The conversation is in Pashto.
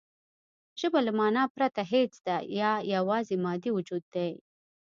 ژبه له مانا پرته هېڅ ده یا یواځې مادي وجود دی